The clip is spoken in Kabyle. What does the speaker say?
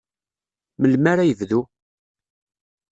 Melmi ara ad yebdu?